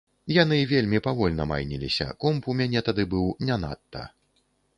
Яны вельмі павольна майніліся, комп у мяне тады быў не надта.